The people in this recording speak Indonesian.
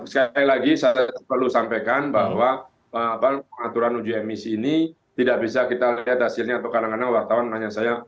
sekali lagi saya perlu sampaikan bahwa pengaturan uji emisi ini tidak bisa kita lihat hasilnya atau kadang kadang wartawan menanya saya